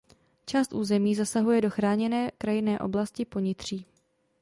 Část území zasahuje do chráněné krajinné oblasti Ponitří.